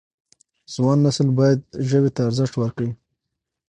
ځوان نسل باید ژبې ته ارزښت ورکړي.